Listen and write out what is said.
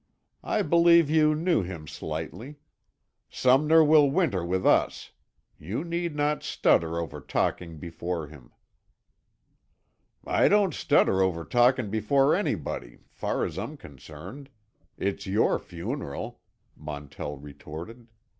I believe you knew him slightly. Sumner will winter with us. You need not stutter over talking before him." "I don't stutter over talkin' before anybody, far as I'm concerned. It's your funeral," Montell retorted.